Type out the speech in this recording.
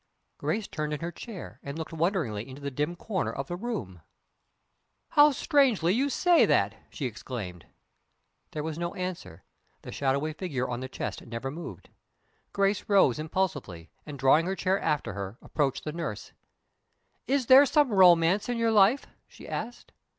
Grace turned in her chair, and looked wonderingly into the dim corner of the room. "How strangely you say that!" she exclaimed. There was no answer; the shadowy figure on the chest never moved. Grace rose impulsively, and drawing her chair after her, approached the nurse. "Is there some romance in your life?" she asked.